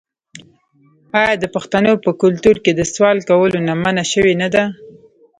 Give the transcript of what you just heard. آیا د پښتنو په کلتور کې د سوال کولو نه منع شوې نه ده؟